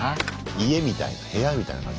家みたいな部屋みたいな感じになってる。